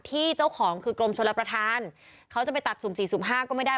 ที่เจ้าของคือกรมชนรับประทานเขาจะไปตัดศูนย์๔ศูนย์๕ก็ไม่ได้